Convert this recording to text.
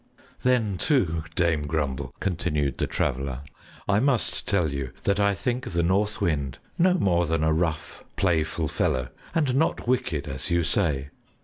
"Then too, Dame Grumble," continued the Traveler, "I must tell you that I think the North Wind no more than a rough playful fellow, and not wicked as you say.